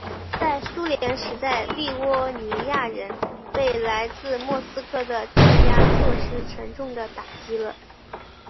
在苏联时代立窝尼亚人被来自莫斯科的镇压措施沉重地打击了。